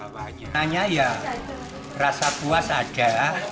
panitia ya rasa puas ada